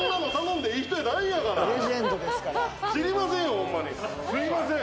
お前すいません